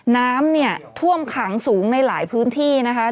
น้ำเนี่ยท่วมขังสูงในหลายพื้นที่นะคะ